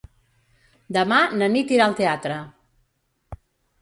Demà na Nit irà al teatre.